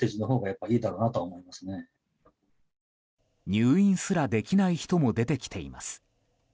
入院すらできない人も出てきています。